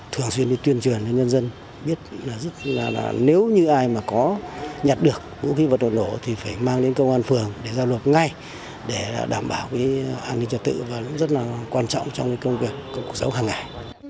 thường xuyên đi tuyên truyền cho nhân dân biết là nếu như ai mà có nhặt được vũ khí vật liệu nổ thì phải mang đến công an phường để giao nộp ngay để đảm bảo an ninh trật tự và rất là quan trọng trong công việc công cụ giấu hàng ngày